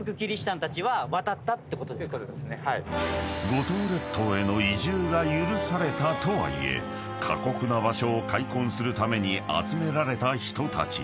［五島列島への移住が許されたとはいえ過酷な場所を開墾するために集められた人たち］